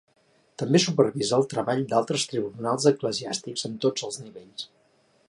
També supervisa el treball d'altres tribunals eclesiàstics en tots els nivells.